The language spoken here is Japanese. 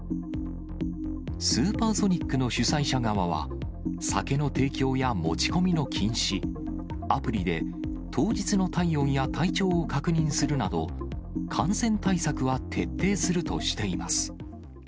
スーパーソニックの主催者側は、酒の提供や持ち込みの禁止、アプリで当日の体温や体調を確認するなど、感染対策は徹底するとしています。